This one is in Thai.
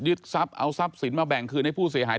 ทรัพย์เอาทรัพย์สินมาแบ่งคืนให้ผู้เสียหาย